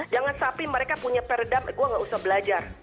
jangan sampai mereka punya peredam gue gak usah belajar